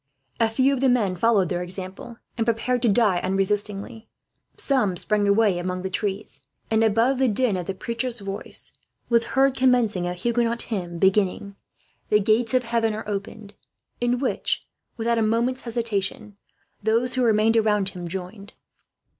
A few of the men followed their example, and prepared to die unresistingly. Some sprang away among the trees, and above the din the preacher's voice was heard commencing a Huguenot hymn beginning, "The gates of heaven are opened;" in which, without a moment's hesitation, those who remained around him joined.